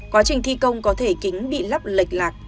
quá trình thi công có thể kính bị lắp lệch lạc